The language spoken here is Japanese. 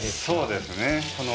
そうですね。